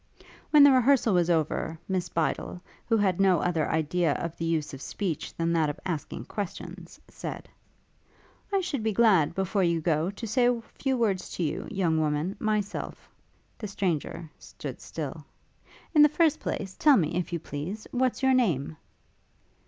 When the rehearsal was over, Miss Bydel, who had no other idea of the use of speech than that of asking questions, said, 'I should be glad, before you go, to say a few words to you, young woman, myself.' The stranger stood still. 'In the first place, tell me, if you please, what's your name?'